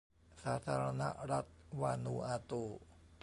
สาธารณรัฐวานูอาตู